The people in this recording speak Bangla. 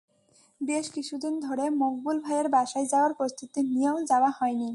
বেশ কিছুদিন ধরে মকবুল ভাইয়ের বাসায় যাওয়ার প্রস্তুতি নিয়েও যাওয়া হয়নি।